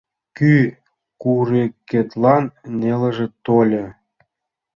Кӱ курыкетлан нелыже тольо.